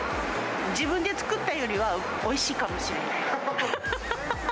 自分で作ったよりは、おいしいかもしれない。